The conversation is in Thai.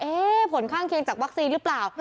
เอ๊ะผลข้างเคียงจากวัสกินหรือเปล่า